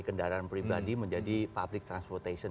kendaraan pribadi menjadi public transportation